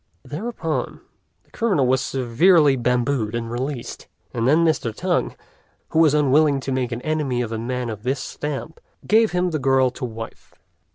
Thereupon, the criminal was severely bambooed and released; and then Mr. Tung, who was unwilling to make an enemy of a man of this stamp, gave him the girl to wife.